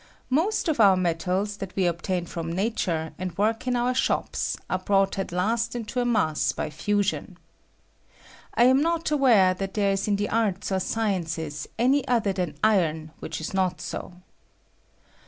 Most of our metals that we obtain from nature, and work in our shops, are brought at last into a mass by fusion. I am not aware that there is in the arts or sciences any other than iron which is not bo.